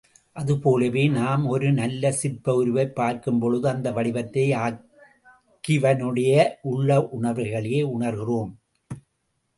அதுபோலவே, நாம் ஒரு நல்ல சிற்ப உருவைப் பார்க்கும்பொழுது, அந்த வடிவத்தை ஆக்கிவனுடைய உள்ள உணர்ச்சிகளையே உணர்கிறோம்.